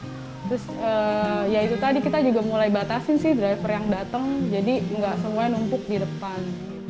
terus ya itu tadi kita juga mulai batasin sih driver yang datang jadi nggak semuanya numpuk di depan